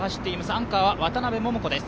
アンカーは渡邉桃子です。